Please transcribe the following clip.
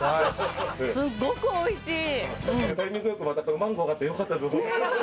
すっごくおいしい。